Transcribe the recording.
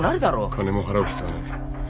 金も払う必要はない。